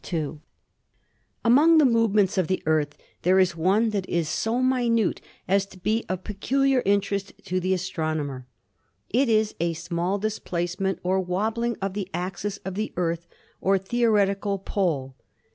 '* Among the movements of the Earth there is one that is so minute as to be of peculiar interest to the astronomer. It is a small displacement or wobbling of the axis of the Earth or theoretical pole.